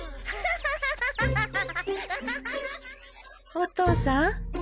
お父さん？